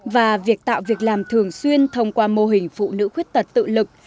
và việc tạo việc làm thường xuyên thông qua mô hình phụ nữ khuyết tật tự lực